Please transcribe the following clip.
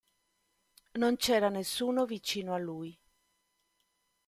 Non c'era nessuno vicino a lui".